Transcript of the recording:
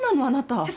あなた。